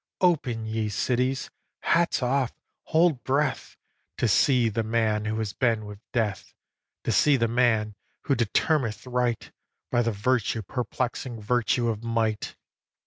Open, ye cities! Hats off! hold breath! To see the man who has been with Death; To see the man who determineth right By the virtue perplexing virtue of might.